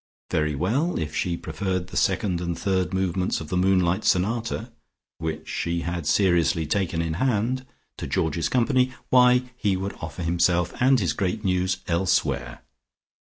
Very well, if she preferred the second and third movements of the Moonlight Sonata, which she had seriously taken in hand, to Georgie's company, why, he would offer himself and his great news elsewhere.